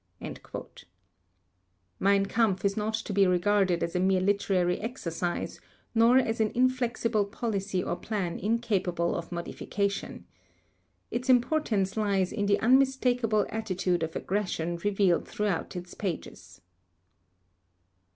Mein Kampf is not to be regarded as a mere literary exercise, nor as an inflexible policy or plan incapable of modification. Its importance lies in the unmistakable attitude of aggression revealed throughout its pages.